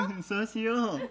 そうしよう！